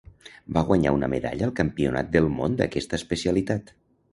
Va guanyar una medalla al Campionat del món d'aquesta especialitat.